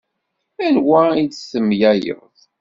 Anwa i d-temlaleḍ?